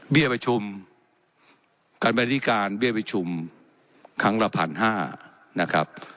เบี้ยประชุมการบริการเบี้ยประชุมครั้งละพันห้านะครับ